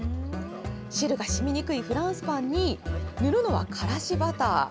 汁がしみにくいフランスパンに、塗るのはからしバター。